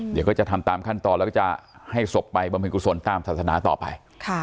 เดี๋ยวก็จะทำตามขั้นตอนแล้วก็จะให้ศพไปบำเพ็ญกุศลตามศาสนาต่อไป